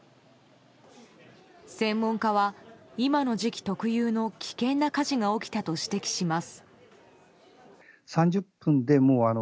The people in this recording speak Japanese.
専門家は今の時期特有の危険な火事が起きたと指摘します。